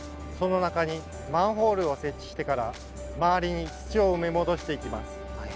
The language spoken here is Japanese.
その中にマンホールを設置してから周りに土を埋め戻していきます。